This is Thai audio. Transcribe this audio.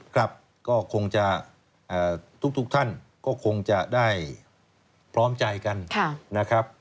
ครับก็คงจะทุกท่านก็คงจะได้พร้อมใจกันนะครับ